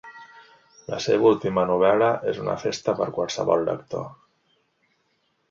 La seva última novel·la és una festa per a qualsevol lector.